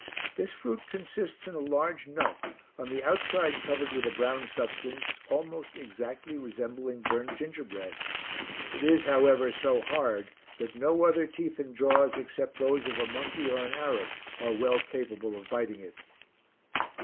This fruit consists in a large nut, on the outside covered with a brown substance almost exactly resembling burned gingerbread. It is, however, so hard that no other teeth and jaws, except those of a monkey or an Arab, are well capable of biting it.